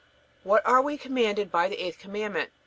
What are we commanded by the eighth Commandment?